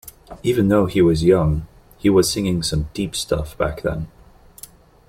Even though he was young, he was singing some deep stuff back then.